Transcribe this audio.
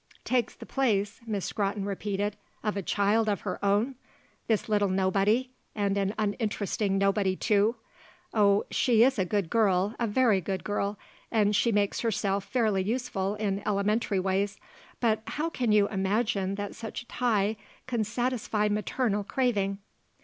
"Takes the place," Miss Scrotton repeated, "of a child of her own? This little nobody, and an uninteresting nobody, too? Oh, she is a good girl, a very good girl; and she makes herself fairly useful in elementary ways; but how can you imagine that such a tie can satisfy maternal craving?"